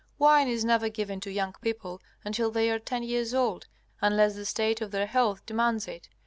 Wine is never given to young people until they are ten years old, unless the state of their health demands it.